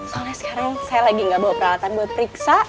soalnya sekarang saya lagi gak bawa peralatan buat periksa